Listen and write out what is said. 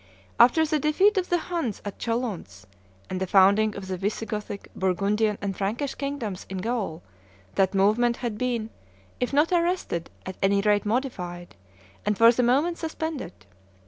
After the defeat of the Huns at Chalons, and the founding of the Visigothic, Burgundian, and Frankish kingdoms in Gaul, that movement had been, if not arrested, at any rate modified, and for the moment suspended.